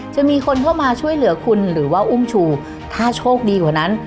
จะมีคนเข้ามาช่วยเหลือคุณหรือว่าอุ้มชูถ้าโชคดีกว่านั้น